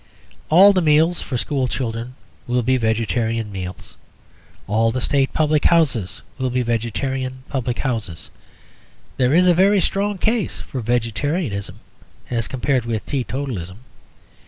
All the meals for school children will be vegetarian meals. All the State public houses will be vegetarian public houses. There is a very strong case for vegetarianism as compared with teetotalism.